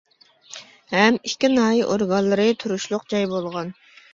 ھەم ئىككى ناھىيە ئورگانلىرى تۇرۇشلۇق جاي بولغان.